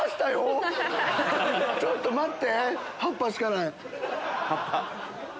ちょっと待って！